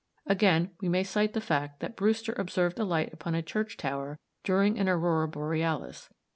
Again, we may cite the fact that Brewster observed a light upon a church tower during an aurora borealis.